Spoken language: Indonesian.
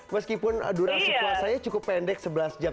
meskipun durasi puasanya cukup pendek sebelas jam